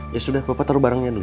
ya sudah bapak taruh barangnya dulu